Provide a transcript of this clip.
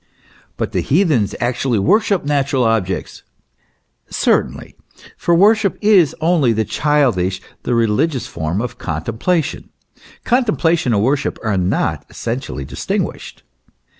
" But the heathens actually worshipped natural objects." Certainly ; for worship is only the childish, the religious form of contem plation. Contemplation and worship are not essentially dis tinguished.